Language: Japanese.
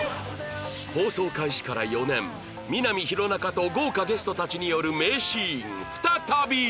放送開始から４年みな実弘中と豪華ゲストたちによる名シーン再び！